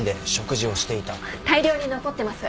大量に残ってます。